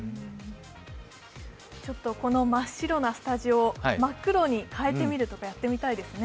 真っ白なスタジオを真っ黒に変えてみるとかやってみたいですね。